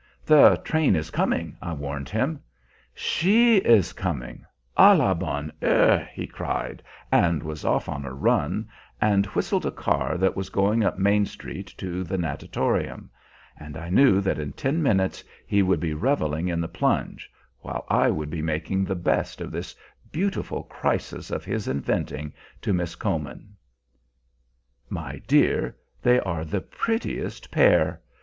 "The train is coming," I warned him. "She is coming! À la bonne heure!" he cried, and was off on a run, and whistled a car that was going up Main Street to the natatorium; and I knew that in ten minutes he would be reveling in the plunge, while I should be making the best of this beautiful crisis of his inventing to Miss Comyn. My dear, they are the prettiest pair!